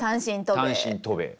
単身渡米。